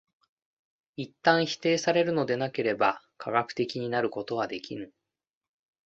一旦否定されるのでなければ科学的になることはできぬ。